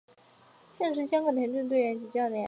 现时为香港田径队队员及教练。